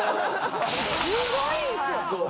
すごいんすよ。